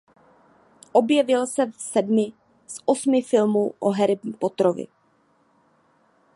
Objevil se v sedmi z osmi filmů o Harrym Potterovi.